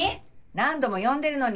何度も呼んでるのに！